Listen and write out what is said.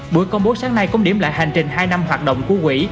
buổi công bố sáng nay cũng điểm lại hành trình hai năm hoạt động của quỹ